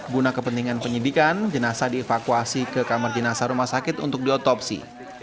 guna kepentingan penyidikan jenazah dievakuasi ke kamar jenazah rumah sakit untuk diotopsi